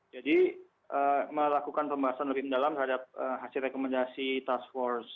jadi melakukan pembahasan lebih mendalam terhadap hasil rekomendasi task force